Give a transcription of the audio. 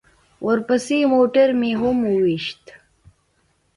ورپسې موټر مې هم وويشت.